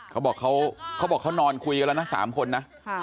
ก็เขาบอกเขานอนคุยกันแล้วนะ๓คนน่ะ